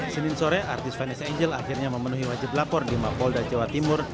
senin sore artis vanessa angel akhirnya memenuhi wajib lapor di mapolda jawa timur